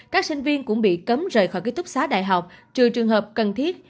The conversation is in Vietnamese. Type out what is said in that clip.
các sinh viên cũng bị cấm rời khỏi ký túc xá đại học trừ trường hợp cần thiết